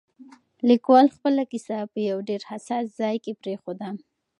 لیکوال خپله کیسه په یو ډېر حساس ځای کې پرېښوده.